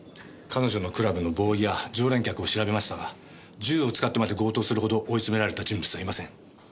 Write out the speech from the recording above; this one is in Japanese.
彼女のクラブのボーイや常連客を調べましたが銃を使ってまで強盗するほど追い詰められた人物はいません。